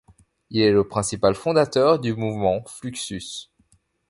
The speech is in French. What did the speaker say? Il est le principal fondateur du mouvement Fluxus.